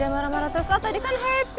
jangan marah marah terus lo tadi kan happy